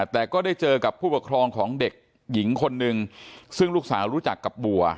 แต่ก็ได้เจอกับผู้ปกครองของเด็กหญิงคนนึงซึ่งลูกสาวรู้จักกับบัว